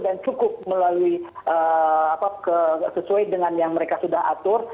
dan cukup sesuai dengan yang mereka sudah atur